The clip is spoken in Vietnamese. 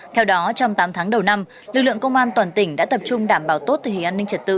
theo đó trong tám tháng đầu năm lực lượng công an toàn tỉnh đã tập trung đảm bảo tốt tình hình an ninh trật tự